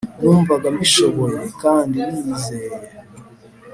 numvaga mbishoboye, kandi niyizeye